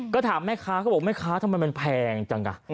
ก็ถามแม่ค้าเขาบอกแม่ค้าทำไมมันแพงจังอ่ะ